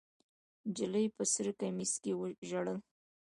نجلۍ په سره کمیس کې ژړل.